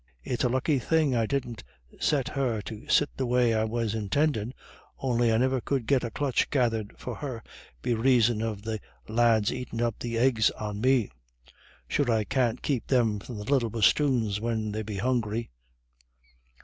It's a lucky thing I didn't set her to sit the way I was intendin'; on'y I niver could get a clutch gathered for her, be raison of the lads aitin' up the eggs on me. Sure, I can't keep them from the little bosthoons when they be hungry."